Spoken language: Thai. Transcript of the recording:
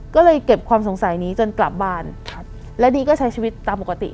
ก็เลยเก็บความสงสัยนี้จนกลับบ้านและดีก็ใช้ชีวิตตามปกติ